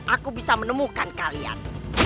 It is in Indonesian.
aku bisa menemukan kalian